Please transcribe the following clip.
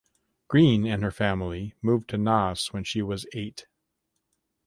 Greene and her family moved to Naas when she was eight.